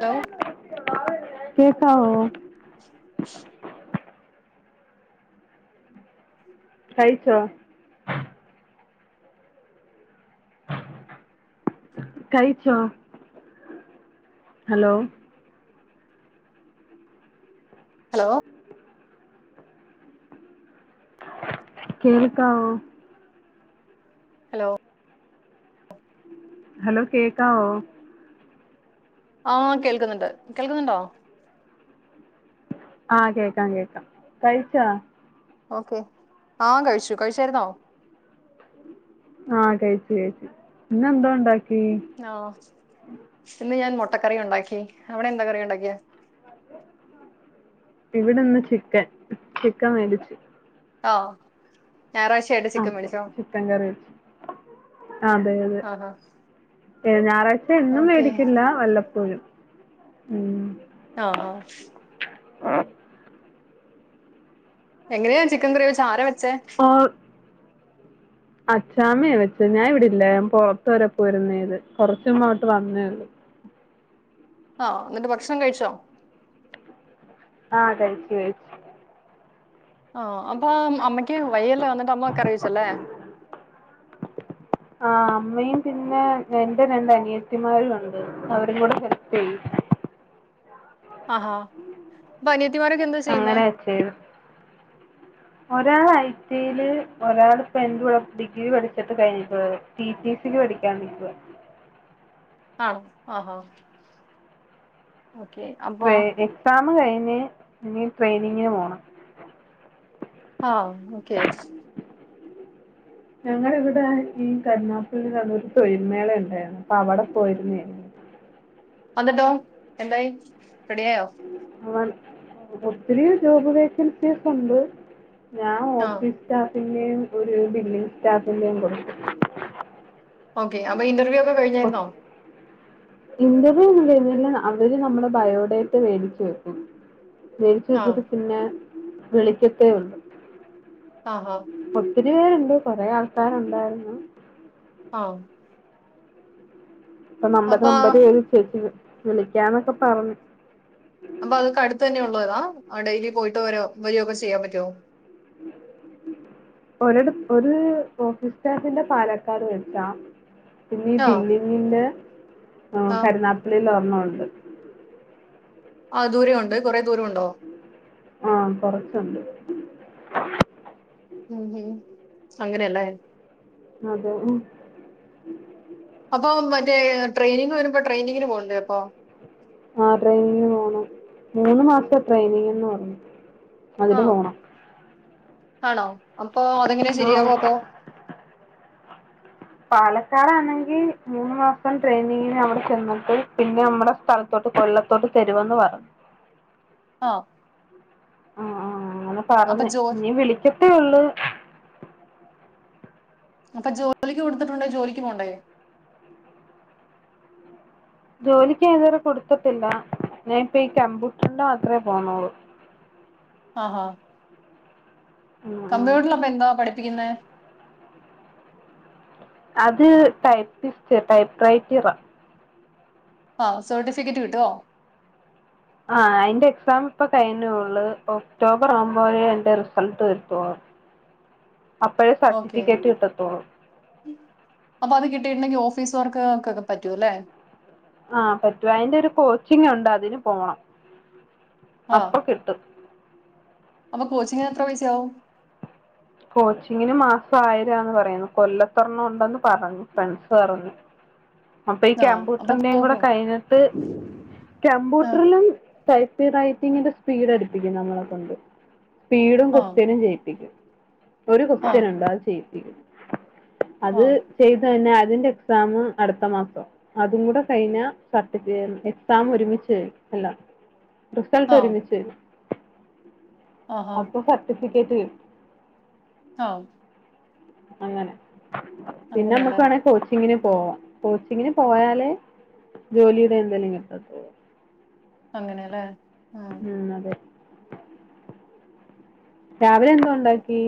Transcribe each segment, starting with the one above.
Hello കേക്കാവോ കൈച്ചോ കയിച്ചോ ഹലോ ഹലോ കേൾക്കാവോ ഹലോ ഹലോ കേക്കാവോ ആ കേൾക്കുന്നുണ്ട് കേൾക്കുന്നുണ്ടോ ആ കേക്കാം കേക്കാം കഴിച്ചാ ഓക്കെ ആ കഴിച്ചു കഴിച്ചായിരുന്നോ ആ കഴിച്ചു കഴിച്ചു ഇന്നെന്തോ ഉണ്ടാ- - ആ ഇന്ന് ഞാൻ മുട്ട് മുട്ടക്കറി ഉണ്ടാക്കി അവിടെ എന്താ കറിയാ ഉണ്ടാക്കിയെ ഇവിടെന്ന് ചിക്കൻ ചിക്കൻ മേടിച്ചു. ആ ഞായറാഴ്ചയായിട്ട് ആ ചിക്കൻ മേടിച്ചോ ചിക്കൻ കറി വെച്ചു അതെ അതെ ആഹാ ഏ ഞായറാഴ്ച എന്നും ഓക്കെ മേടിക്കില്ല വല്ലപ്പോഴും ഉം ആ ആ ആ എങ്ങനെയാ ചിക്കൻ കറി വെച്ചേ ആര വെ ഓ അച്ചാമയാ വെച്ചെ ഞാൻ ഇവിടില്ലാരുന്നു പുറത്തു വരെ പോയിരുന്നേത്. കൊറച്ചുമുമ്പ് ഇങ്ങോട്ട് വന്നേയുള്ളൂ ആഎന്നിട്ട് ഭക്ഷണം കഴിച്ചോ ആ കയിച്ചു കയിച്ചു ആ അം അപ്പൊ അമ്മയ്ക്ക് വയ്യെല്ലോ എന്നിട്ട് അമ്മ കറി വെച്ചെല്ലേ ആ അമ്മയും പിന്നെ എന്റെ രണ്ട് അനിയത്തിമാരും ഉണ്ട് അവരും കൂടെ ഹെൽപ് ചെയ്യും ആ അപ്പൊ അനിയത്തിമാരൊക്കെ എന്താ ചെയ്യുന്നേ അങ്ങനെ ചെയ്തു ഒരാൾ ഐ ടിയില് ഒരാളിപ്പോ എന്റെ കൂടെ ഡിഗ്രി പഠിച്ചിട്ട് കഴിഞ്ഞിട്ട് റ്റി. റ്റി. സി ക്ക് പഠിക്കാൻ നിക്കുവാ ആ ആ ട്രയി എക്സാം കഴിഞ്ഞ ഇനി ട്രയിനിംഗിന് പോണം ആ ഓക്കെ ഞങ്ങടെയിവിടെ ഈ കരുനാഗപ്പള്ളിലവടെ ഒരു തൊഴിൽമേള ഉണ്ടായിരുന്നു. അപ്പോ അവടെ പോയിരുന്നതായിരുന്ന്. എന്നിട്ടോ എന്തായി? റെഡിയായോ? [unintelligible] ഒത്തിരി ജോബ് വേക്കൻസീസ് ഉണ്ട്. ഞാൻ ആ ഓഫീസ് സ്റ്റാ പിന്നെയും ഒരു ബില്ലിങ് സ്റ്റാഫ്ന്റേം കൂടെ ഓക്കെ അപ്പ ഇന്റർവ്യൂയോ? ക്കെ കഴിഞ്ഞാരുന്നോ? ഇന്റർവ്യൂ ഒന്നും കഴിഞ്ഞില്ല. അവര് നമ്മടെ ബയോഡേറ്റ വേടിച്ചു വയ്ക്കും. മേടിച്ച് ആഹ് വച്ചിട്ട്‌ പിന്നെ വിളിക്കത്തേ ഒള്ളു. ഓ ഓ ഒത്തിരി പേരുണ്ട്. കൊറെ ആൾക്കാരുണ്ടായിരുന്നു. ഓ അപ്പോ [unintelligible] വിളിക്കാന്നൊക്കെ പറഞ്ഞു. അപ്പ അതൊക്ക അടുത്ത് തന്നെ ഉള്ളവരാ? ഡെയിലി പോയിട്ട് വരോ വരോക്കെ ചെയ്യാൻ പറ്റോ? ഒരിട ഒര് ഓഫീസ് സ്റ്റാഫിന്റെ പാലക്കാട് വെച്ചാ. പിന്നെ ആഹ് ദില്ലിയിൽ നിന്ന്. ആ ആഹ് കരുനാഗപ്പള്ളിയിൽ ഒരെണ്ണം. [unintelligible] ആ ദൂരമുണ്ട് കുറേ ദൂരമുണ്ടോ? ഉം കൊറച്ചൊണ്ട്. ഉം ഹം അങ്ങനെയല്ലേ? അതെ ഉം അപ്പോ മറ്റേ ട്രെയിനിങ് വരുമ്പോ ട്രെയിനിങ്ങിന് പോണ്ടേ അപ്പോ? ആ ട്രെയിനിങ് പോണം. മൂന്ന് മാസത്തെ ട്രെയിനിങ്ന്ന് പറഞ്ഞു. അതന് ആഹ് പോണം ആണോ അപ്പോ അതെങ്ങനെ ശരിയാവ ആ അപ്പോ? പാലക്കാടാണെങ്കി മൂന്ന് മാസം ട്രെയിനിങ്ങിന് അവടെ ചെന്നിട്ട് പിന്നെ നമ്മടെ സ്ഥലത്തോട്ട് കൊല്ലത്തോട്ട് തരുമെന്ന് പറഞ്ഞു. ആ ആ ആ അങ്ങനെ പറഞ്ഞ് ഇഞ്ഞീ വിളിക്കത്തേ ഒള്ളൂ. അപ്പ ജോലിക്ക് കൊടുത്തിട്ടുണ്ടേ ജോലിക്ക് പോണ്ടേ? ജോലിക്ക് ഇതുവരെ കൊടുത്തട്ടില്ല. ഞാൻ ഇപ്പ ഈ കമ്പ്യൂട്ടറിന് മാത്രേ പോണൊള്ളു. ആഹ ഉം ഉം കമ്പ്യൂട്ടറില് അപ്പ എന്താ പഠി ഠിപ്പിക്കുന്നെ അത് ടൈപ്പിസ്റ്റ് ടൈപ്പ് റൈറ്ററാ ആ സർട്ടിഫിക്കറ്റ് കിട്ടുവോ ആ അയിൻ്റെ എക്സാം ഇപ്പൊ കഴിഞ്ഞൊള്ളു. ഒക്ടോബർ ആവുമ്പോഴേ അതിന്റെ റിസൾട്ട് വരുത്തൊള്ളൂ. അപ്പോഴ് ഓക്കെ സർട്ടിഫിക്കറ്റ് കിട്ടത്തോളൂ. അപ്പൊ അത് കിട്ടിയിട്ടുണ്ടെങ്കി ഓഫീസ് വർക്ക്കാർക്കൊക്കെ പറ്റൂല്ലെ ആ പറ്റും അയിന്റെ ഒരു കോച്ചിങ് ഉണ്ട് അതിന് പോണം ആഹ് അപ്പൊ കിട്ടും അപ്പൊ കോച്ചിങ്ങിന് എത്ര പൈസയാവും കോച്ചിങ്ങിന് മാസം ആയിരാന്ന് പറയുന്നു കൊല്ലത്തൊരെണ്ണം ഉണ്ടന്ന് പറഞ്ഞു ഫ്രണ്ട്സ് പറഞ്ഞു അപ്പൊ ഈ ആഹ് അപ്പൊ കമ്പ്യൂട്ടറിന്റെയും കൂടെ പോകും. കഴിഞ്ഞിട്ട് ആഹ് കമ്പ്യൂട്ടറിലും ടൈപ്പ് റൈറ്റിങ്ങിന്റെ സ്പീഡ് അടുപ്പിക്കും നമ്മളെ കൊണ്ട് സ്പീടും ആഹ് കൊസ്ത്ത്യനും ചെയ്യിപ്പിക്കും ഒരു കൊസ്റ്റ്യൻ ആഹ് ഉണ്ട് അത് ചെയ്യും അത് ആഹ് ചെയ്ത് തന്നെ അതിന്റെ എക്സാം അടുത്ത മാസാ അതും കൂടെ കഴിഞ്ഞ സർട്ടിഫ എക്സാം ഒരുമിച്ച് കഴിയുംഎല്ലാം റിസൾട്ട് ആഹ് ഒരുമിച്ചു വരും. ആഹാ അപ്പൊ സർട്ടി ഫിക്കറ്റ് കിട്ടും. ആ അങ്ങനെ പിന്നെ നമ്മുക്ക് അങ്ങനെയല്ലേ വേണെ കോച്ചിങ്ങിന് പോവാം കോച്ചിങ്ങിന് പോയാലേ ജോലിയുടെ എന്തെലും കിട്ടത്തൊള്ളൂ അങ്ങനാ അല്ലേ ഉം അതെ രാവിലെ എന്ത ഉണ്ടാക്കി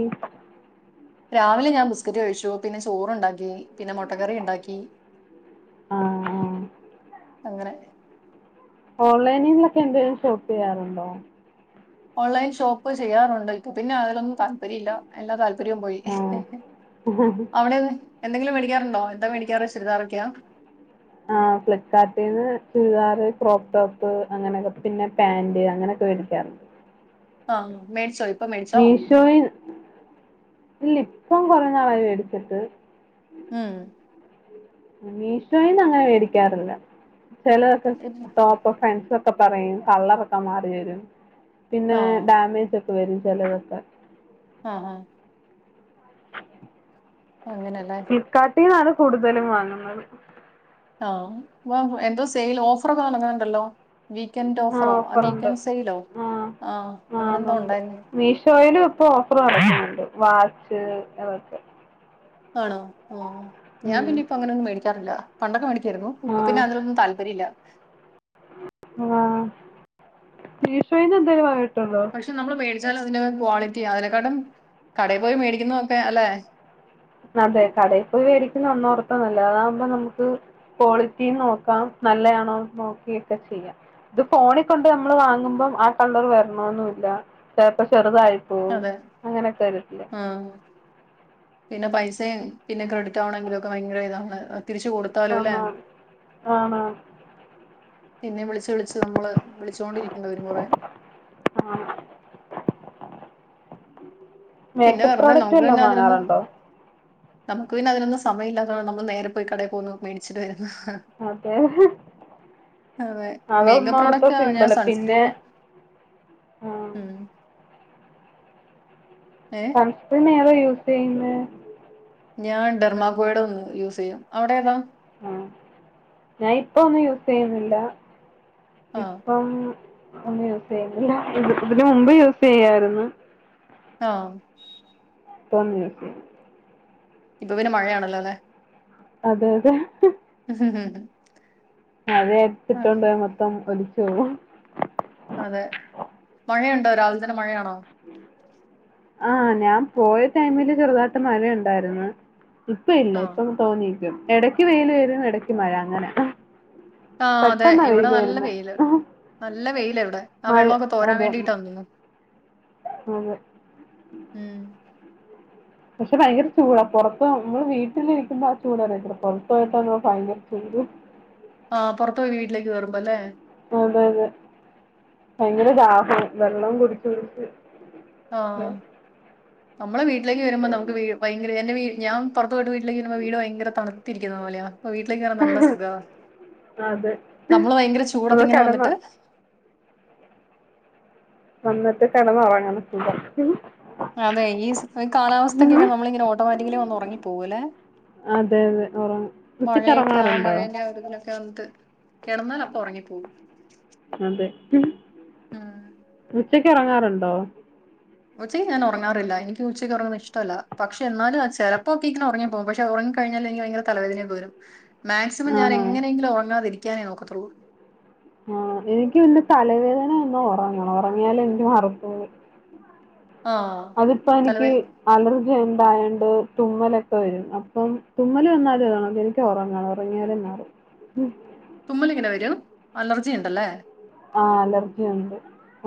രാവിലെ ഞാൻ ബിസ്ക്കറ്റ് കഴിച്ചു പിന്നെ ചോറുണ്ടാ ക്കി പിന്നെ മുട്ടകറി ഇണ്ടാക്കി ആഹ് ആഹ് അങ്ങനെ ഓൺലൈനൊക്കെ എന്തെലും ഷോപ്പ് ചെയ്യാറുണ്ടോ ഓൺലൈൻ ഷോപ്പ് ചെയ്യാറുണ്ടരിക്കും പിന്നെ അതിലൊന്നും ത താല്പര്യാല്ല എല്ലാ താല്പര്യവും പോയി ആഹ് അവിടെ എന്തെങ്കിലും മേടിക്കാറുണ്ടോ എന്താ മേടിക്കാറ് ചുരിദാറൊക്കെയാ ആ ഫ്ലിപ്കാർട്ടിൽന്ന് ചുരിദാറ് ക്രോക്ക് ടോപ്പ് അങ്ങനെയക്കെ പിന്നെ പാന്റ് അങ്ങനെയൊക്കെ മേടിക്കാറുണ്ട് ആ മേടിച്ചോ മേടിച്ചോ മീഷോയിൽ ഇല്ല ഇപ്പം കുറ നാളായി എടുത്തിട്ട് മൂ മും മിഷോയിന് അങ്ങനെ മേടിക്കാറില്ല ചെലക്കെ ടോപ്പ് പാൻസ് ഒക്കെ പറയും കള്ളറൊക്കെ മാറി വരും പിന്നെ ആഹ് ഡാമേജ് വേരും ചെലത്തൊക്കെ ആ ഹ അങ്ങനല്ലേ ഇതിനാണ് കൂടുതലും വാങ്ങുന്നത് ആഹ് വാവ് എന്തോ സെയിൽ ഓഫറ്ക്ക് തുടങ്ങനുണ്ടല്ലോ വീക്കെൻഡ് ആഹ് ഓഫറോ ആ ഓഫറുണ്ട് വീക്കൻഡ് സെയിലോ ആഹ് ആ ആഹ് അങ്ങനെന്തോ അതുണ്ട് ഉണ്ടയിരുന്നു മീഷോയിലും ഇപ്പൊ ഓഫർ നടക്കുന്നുണ്ട് വാച്ച് അതൊക്കെ ആണോ ആ ഞാൻ ഉം പിന്നെ ഇപ്പ അങ്ങനെയൊന്നും മേടിക്കാറില്ല പണ്ടക്കെ മേടി ക്കാരുന്നു ഇപ്പ പിന്നെ അതിനൊന്നും താല്പര്യ ഇല്ല ആ മീഷോയിന്ന് എന്തേലും വാങ്ങി പക്ഷെ നമ്മള് മേടി ച്ചാൽ അതിന് ക്വാളിറ്റി അതിനെക്കാട്ടും കടയിൽ പോയി മേടിക്കുന്നൊക്കെ അല്ലെ അതെ കടയിൽ പോയി മേടിക്കുന്നത് ഒന്നോർത്തന്നല്ല അതകുമ്പോ നമുക്ക് ക്വാളിറ്റി നോക്കാം നല്ലയാണോ നോക്കിട്ട് ചെയ്യാം ഇത് ഫോണി കണ്ട് നമ്മൾ വാങ്ങുമ്പം ആ കളർ വരണോന്നുല്ല ചെപ്പോ ചെറുതായി പോ അതെ അങ്ങനൊക്കെ വരത്തില്ല ആഹ് പിന്നെ പൈസയും പിന്നെ ക്രെഡിറ്റ് ആവണെങ്കിലും ഒക്കെ ഭയങ്കര ഇതാണ് തിരിച്ചു ആ കൊടുത്താലും അല്ലെ ഹാ ആണ് പിന്നേം വിളിച്ച് വിളിച്ച് നമ്മള് വിളിച്ചോണ്ടിരിക്കണ്ടവരും കുറെ ആഹ് പിന്നെ മേക്കപ്പ് വെറുതെ പ്രോഡക്റ്റ് നമുക്ക് വേല്ലാം പിന്നെ അതിനൊന്നും വാങ്ങാറുണ്ടോ നമുക്ക് പിന്നെ അതിനൊന്നും സമയമില്ലാത് നമ്മ നേരെ പോയി കടയില് പോന്നു മേടിച്ചിട്ട് വരും അതെ അതെ മേക്കപ്പ് അതൊന്നോർത്ത് പ്രോഡക്റ്റ ഞാൻ സിമ്പിള് പിന്നെ സൺസ്ക്രീമും ആഹ് ഉ സൺസ്‌ക്രീമ്മെത യൂസ് ചെയുന്നെ ഞാൻ ഡെർമാഗോയിഡ യൂസ് ചെയ്യും അവിടെ ഏതാ അ ഞൻ ഇപ്പ ഒന്നും യൂസ് ചെയ്യുന്നില്ല ആഹ്. ഇപ്പം ഒന്നും യൂസ്ചെയ്യുന്നില്ല ഇതിന് മുമ്പ് യൂസ് ചെയ്യായിരുന്നു ആ ഇപ്പൊന്നും യൂസ് ചെ ഇപ്പൊ പിന്നെ മഴയാണല്ലോ അല്ലെ അതെ അതെ ഉം ഊ ഉം മഴ അടുത്തിട്ടുണ്ട് മൊത്തം ഒലി [unintelligible] അതെ മഴയുണ്ടോ രാവിലെ തന്നെ മഴയാണോ? ആഹ് ഞാൻ പോയ ടൈമില് ചെറുതായിട്ട് മഴ ഉണ്ടായിര്ന്ന് ഇപ്പ ഇല്ല ആഹ്. ഇപ്പം തോന്നിയിരിക്ക എടയ്ക്ക് വെയിൽ വരും ഇടക്ക് മഴ അങ്ങനെ ആഹ് അതെ പെട്ടെന്നാ ഇവിടെ വെയില് നല്ല വരുന്നെ വെയില് നല്ല വെയില ഇവിടെ ആ മഴ വെള്ളൊക്കെ തോരാൻ അതെ വേണ്ടിട്ട തോന്നുന്നു അതെ ഉം. പക്ഷെ ഭയങ്കര ചൂടാ പൊറത്ത് നമ്മൾ വീട്ടിലിരിക്കുമ്പ ആ ചൂട് അറിയത്തില്ല പൊറത്ത് പോയിട്ടാവുമ്പം ഭയങ്കര ചൂട് ആഹ് പൊറത്ത് പോയി വീട്ടിലേക്ക് കേറുമ്പം അല്ലേ അതെ അതെ ഭയങ്കര ദാഹവും വെള്ളം കുടിച്ച് കുടിച്ച് ദാ ആഹ് നമ്മളെ വീ ട്ടിലേക്ക് വരുമ്പം നമുക്ക് വീ ഭയങ്കര എൻ്റെ വീ ഞാൻ പൊർ ത്തോയ്ട്ട് വീട്ട്ലേക്ക് വരുമ്പം വീട് ഭയ്ങ്കര തണു ത്തിരിക്കുന്ന പോലെയാ അപ്പ വീട്ടിലേക്ക് കേറാൻ നല്ല സുഖാ. അതെ നമ്മള് ഭയങ്കര ഒന്ന് ചൂടത്തിങ്ങനെ കിടന്നോ വന്നിട്ട് വന്നിട്ട് കെടന്നൊറങ്ങണ സുഖ ആന്നേ ഈ കാലാവസ്ഥക്കൊക്കെ നമ്മളിങ്ങനെ ഓട്ടോമാറ്റിക്കലി വന്ന് ഉറങ്ങിപ്പോകൂല്ലെ. അതെ അതെ ഉറങ്ങും ഉച്ചയ്ക്ക് മഴയൊക്കെ ആ ഇറങ്ങാറുണ്ടോ മഴന്റെ ആ ഒരുതിലൊക്കെ ക്കെ വന്നിട്ട് കിടന്നാൽ അപ്പൊ ഒറങ്ങിപ്പോവും. അതെ ഉം ഉച്ചക്ക് ഒറങ്ങാറുണ്ടോ? ഉച്ചയ്ക്ക് ഞാൻ ഉറങ്ങാറില്ല എനിക്ക് ഉച്ചയ്ക്ക് ഉറങ്ങുന്നത് ഇഷ്ടമല്ല. പക്ഷെ എന്നാലും ആ ചിലപ്പോക്കെ ഇങ്ങനെ ഉറങ്ങി പോകും. പക്ഷെ ഉറങ്ങി കഴിഞ്ഞാലെനിക്ക് ഭയങ്കര തലവേദനയൊക്കെ വരും. മാക്സിമം ഞാൻ ആണോ എങ്ങനെങ്കിലും ഒറങ്ങാതിരി ക്കാനേ നോക്കത്തൊള്ളൂ ആ എനിക്ക് പിന്നെ തലവേദന വന്നാ ഒറങ്ങണം ഒറങ്ങിയാലെ എനിക്ക് മാറത്തൊള്ളു. ആഹ് അതിപ്പോ എനിക്ക് തലവേ അലർ ജി ഉണ്ടായോണ്ട് തുമ്മലൊക്കെ വരും അപ്പം തുമ്മൽ വന്നാലും അതാണ് എനിക്ക് ഒറങ്ങണം ഒറങ്ങിയാലേ മാറൂ തുമ്മൽ ഇങ്ങനെ വരും അലർജി ഇണ്ടലെ ആഹ് അലർജി ഉണ്ട്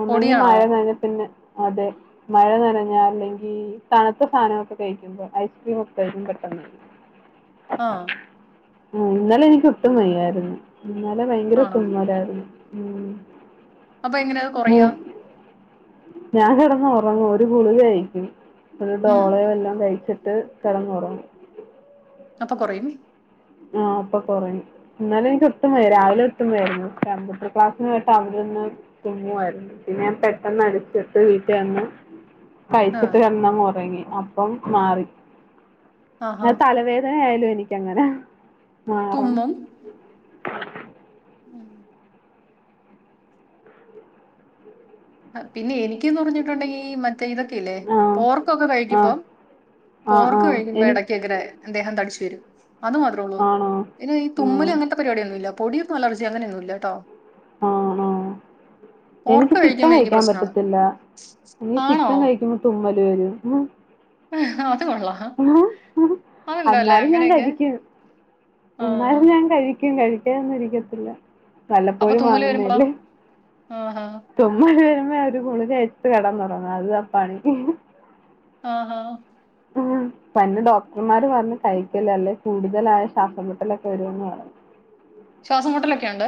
ഒന്നെങ്കി പൊടിയാണോ മഴ നനഞ്ഞാ പിന്നെ അതെ മഴ നനഞ്ഞാ അല്ലെങ്കിൽ തണുത്ത സാനക്കെ കഴിക്കുമ്പോ ഐസ്ക്രീം ഒക്കെ കഴിക്കും പെട്ടോന്ന് ആഹ് ആഹ് ഇന്നലെ എനിക്ക് ഒട്ടും വയ്യായിരുന്നു. ഇന്നലെ ഭയങ്കര ആണോ തുമ്മലാരുന്നു ഉം അപ്പൊ എങ്ങനെയത് കൊറയ മൂ ഞാൻ കിടന്ന് ഒറങ്ങു ഒരു ഗുളിക കഴിക്കും ഒരു ഉം ഡോളയും എല്ലാം കഴിച്ചി ട്ട് കിടന്നൊറങ്ങും അപ്പൊ കൊറയും ആ അപ്പൊ കൊറയും ഇന്നലെ എനിക്ക് ഒട്ടും വയ്യ രാവിലെ ഒട്ടും വയ്യാരുന്നു കമ്പ്യൂട്ടർ ക്ലാസ്സിനോയിട്ട് അവിട്ന്ന് തുമ്മുവായിരുന്നു പിന്നെ പെട്ടെന്ന് എടുത്തിട്ട് വീട്ടി വന്ന് കഴിച്ചിട്ട് ആഹ് കടന്നങ്ങൊറങ്ങി അപ്പം മാറി ആഹാ അത് തലവേദനായാലോയ്‌ നിക്കങ്ങനേ മാറും തുമ്മും ഉം അ പിന്നെ എനിക്ക്ന്ന് പറഞ്ഞിട്ടുണ്ടെങ്കി മ റ്റേ തൊക്കെയില്ലേ ആഹ് പോർക്കൊക്കെ കഴിക്കുമ്പോ ആഹ് ആഹ് പോർക്ക് ആഹ് കഴിക്കുമ്പോ എനി എടക്കിങ്ങനെ ദേഹം തടിച്ചു തരും അതു മാത്രേ ഉള്ളൂ ആണോ പിന്നെ ഈ ആഹ് തുമ്മല് അങ്ങനത്തെ പരിപാടിയൊന്നുല്ല പൊടിയൊക്കെ അലർജി അങ്ങനൊന്നും ഇല്ലാട്ടോ ആ ആ എനിക്ക് പോർക്ക് ചി ക്കൻ കഴിക്കുമ്പോ എനിക്ക് കഴിക്കാൻ പ്രശ്നമാണ് പറ്റത്തില്ല ഇ ആണോ ചിക്കൻ കഴിക്കുമ്പോ തു മലേര് ഉം അത് കൊള്ളാം അതുണ്ടോ അല്ലേ അന്നാലും ഞാൻ അങ്ങനെയൊക്കെ കഴിക്കും ആ എന്നാലും ഞാൻ കഴിക്കും കഴി ട്ടയൊന്നും ഇരിക്കത്തില്ല അപ്പൊ വല്ലപ്പോഴും തുമ്മല് വരുമ്പോളോ വാങ്ങുന്നല്ലേ ആഹാ തുമ്മൽ വരു വേ ഒരു ഗുളിക എട്ത്ത് കെടന്നൊറങ്ങും അത് അപ്പാണേ ആ ഹാ ഉ പന്നെ ഡോക്ടർമാര് പറഞ്ഞ് കഴിക്കല്ലെ അല്ലേ കൂടുതലായ ശ്വാസം മുട്ടലൊക്കെ വരൂന്ന് പറ ശ്വാസം മുട്ടലൊക്കെയൊണ്ട്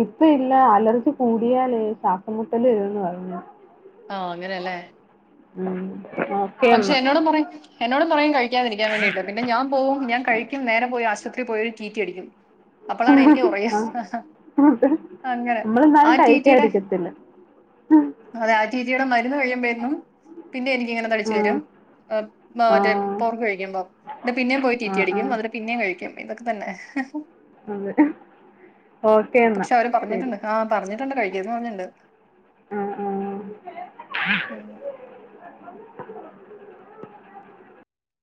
ഇപ്പ ഇല്ല അലർജി കൂടിയാലേ ശ്വാസം മുട്ടല് വരുന്ന് പറഞ്ഞ് ആ അങ്ങനെയല്ലേ ഉം ഓക്കെ പക്ഷെ എന്നാ എന്നോടും പറയും എന്നോടും പറയും കഴിക്കാതിരിക്കാൻ വേണ്ടീട്ട് പിന്നെ ഞാൻ പോവും ഞാൻ കഴിക്കും നേരെ പോയി ആശ പോയരു റ്റീറ്റി അടിക്കും [inaudible] [inaudible] ഇതൊക്കെ ആ നമ്മളെന്നാലും കഴിക്കാതിരിക്കത്തില്ല ആ ആ ആഹ് ആഹ് തന്നെ അതെ ഓക്കേ എന്നാ പക്ഷെ അവര് ശരി പറഞ്ഞിട്ടുണ്ട് [unintelligible] ആഹ് ആഹ് ഉം